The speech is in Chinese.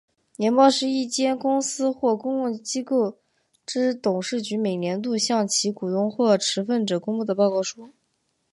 年报是一间公司或公共机构之董事局每年度向其股东或持份者发布的报告书。